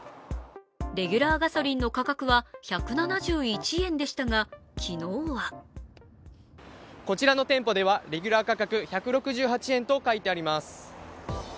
レギュラーガソリンの価格は１７１円でしたが昨日はこちらの店舗ではレギュラー価格１６８円と書いてあります。